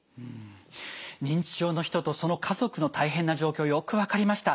認知症の人とその家族の大変な状況よく分かりました。